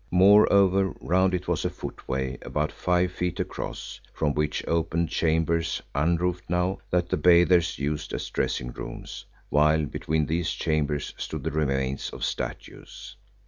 Moreover round it was a footway about five feet across, from which opened chambers, unroofed now, that the bathers used as dressing rooms, while between these chambers stood the remains of statues.